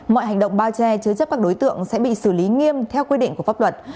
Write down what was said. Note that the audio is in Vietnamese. mọi hành động bao che chứa chấp các đối tượng sẽ bị xử lý nghiêm theo quy định của pháp luật